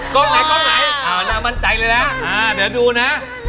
กล้องไหนน่ามั่นใจเลยนะเดี๋ยวดูนะ